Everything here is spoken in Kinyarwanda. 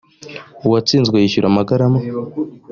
uwatsinzwe yishyura amagarama